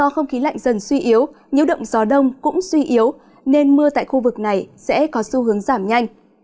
không khí lạnh dần suy yếu nhấu động gió đông cũng suy yếu nên mưa tại khu vực này sẽ có xu hướng giảm nhanh